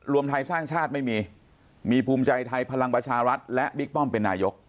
รวมไทยสร้างชาติไม่มีมีภูมิใจไทยพลังประชารัฐและบิ๊กป้อมเป็นนายก